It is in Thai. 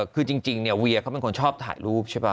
คือจริงเนี่ยเวียเขาเป็นคนชอบถ่ายรูปใช่ป่